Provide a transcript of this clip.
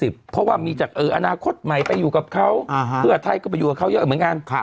เพราะว่ามีจากอนาคตใหม่ไปอยู่กับเขาเพื่อไทยก็ไปอยู่กับเขาเยอะเหมือนกัน